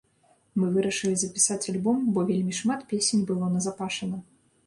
Мы вырашылі запісаць альбом, бо вельмі шмат песень было назапашана.